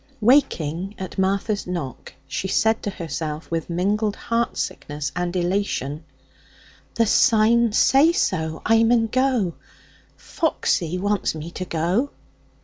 Waking at Martha's knock, she said to herself, with mingled heart sickness and elation: 'The signs say go. I mun go. Foxy wants me to go.'